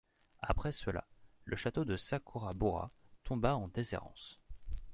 Après cela, le château de Sakurabora tomba en déshérence.